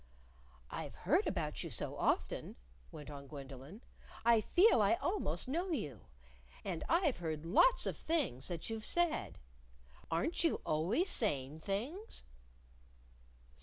"I've heard about you so often," went on Gwendolyn. "I feel I almost know you. And I've heard lots of things that you've said. Aren't you always saying things?"